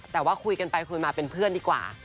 แต่ว่าคุยกันไปคุยมาเป็นเพื่อนดีกว่า